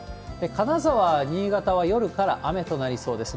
金沢、新潟は夜から雨となりそうです。